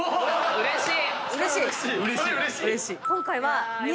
うれしい！